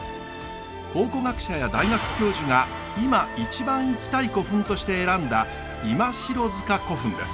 考古学者や大学教授が今一番行きたい古墳として選んだ今城塚古墳です。